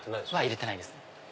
入れてないです。